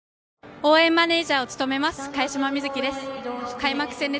応援マネージャーを務めます、茅島みずきです。